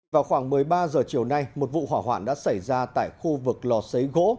vào khoảng một mươi ba h chiều nay một vụ hỏa hoạn đã xảy ra tại khu vực lò xấy gỗ